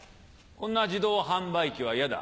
こんな自動販売機は嫌だ。